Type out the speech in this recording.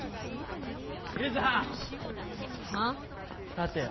立てよ